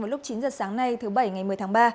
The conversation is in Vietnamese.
vào lúc chín giờ sáng nay thứ bảy ngày một mươi tháng ba